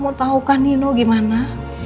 mau tahukan nino gimana